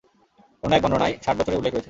অন্য এক বর্ণনায় ষাট বছরের উল্লেখ রয়েছে।